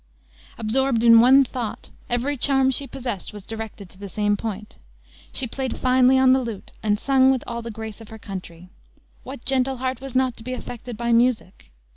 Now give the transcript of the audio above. Absorbed in one thought, every charm she possessed was directed to the same point. She played finely on the lute and sung with all the grace of her country. What gentle heart was not to be affected by music?